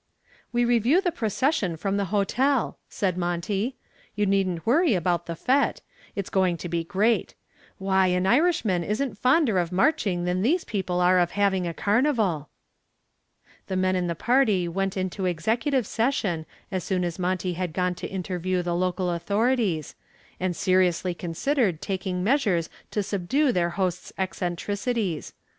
"We review the procession from the hotel," said Monty. "You needn't worry about the fete. It's going to be great. Why, an Irishman isn't fonder of marching than these people are of having a carnival." The men in the party went into executive session as soon as Monty had gone to interview the local authorities, and seriously considered taking measures to subdue their host's eccentricities.